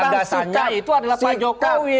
gagasannya itu adalah pak jokowi